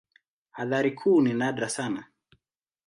Athari kuu ni nadra sana.